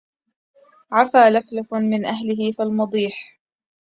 عفا لفلف من أهله فالمضيح